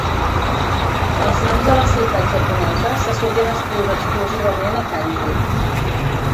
Els noms de les ciutats japoneses se solien escriure exclusivament a Kanji.